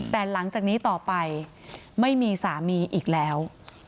แต่หลังจากนี้ต่อไปไม่มีสามีอีกแล้ว